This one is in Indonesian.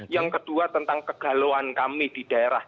yang kedua tentang kegalauan kami di daerah